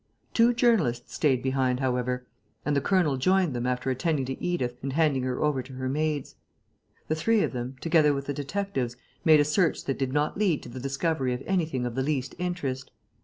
Two journalists stayed behind, however; and the colonel joined them, after attending to Edith and handing her over to her maids. The three of them, together with the detectives, made a search that did not lead to the discovery of anything of the least interest.